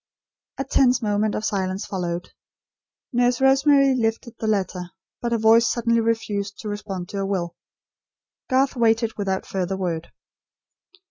A tense moment of silence followed. Nurse Rosemary lifted the letter; but her voice suddenly refused to respond to her will. Garth waited without further word.